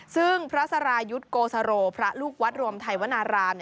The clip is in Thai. ซึ่งพระสรายุทธ์โกสโรพระลูกวัดรวมไทยวนาราม